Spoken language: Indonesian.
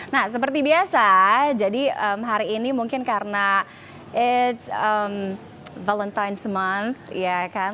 nah seperti biasa jadi hari ini mungkin karena it's valentine's month ya kan